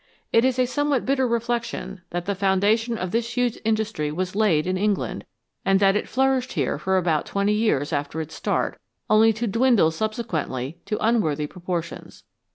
It is a somewhat bitter reflection that the foundation of this huge industry was laid in England, and that it flourished here for about twenty years after its start, only to dwindle subsequently to unworthy proportions.